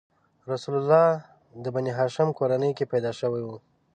رسول الله د بنیهاشم کورنۍ کې پیدا شوی و.